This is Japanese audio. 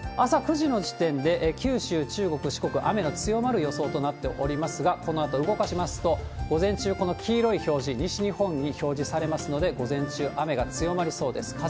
朝９時の時点で九州、中国、四国、雨の強まる予想となっておりますが、このあと動かしますと、午前中、この黄色い表示、西日本に表示されますので、午前中、雨が強まりそうです。